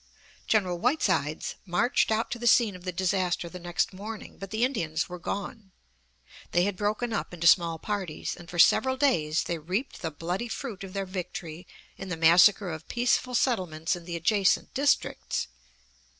General Whitesides marched out to the scene of the disaster the next morning, but the Indians were gone. They had broken up into small parties, and for several days they reaped the bloody fruit of their victory in the massacre of peaceful settlements in the adjacent districts.